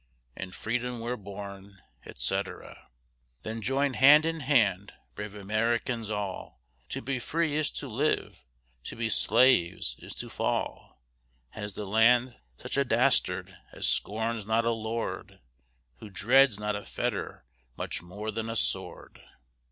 In Freedom we're born, etc. Then join hand in hand, brave Americans all, To be free is to live, to be slaves is to fall; Has the land such a dastard as scorns not a LORD, Who dreads not a fetter much more than a sword?